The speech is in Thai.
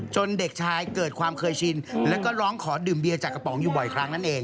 เด็กชายเกิดความเคยชินแล้วก็ร้องขอดื่มเบียร์จากกระป๋องอยู่บ่อยครั้งนั่นเอง